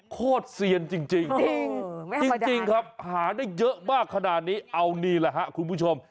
โคตรเซียนจริงจริงครับหาได้เยอะมากขนาดนี้เอานี่แหละครับคุณผู้ชม